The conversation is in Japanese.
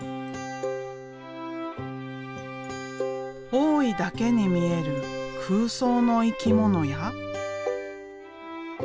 大井だけに見える空想の生き物や。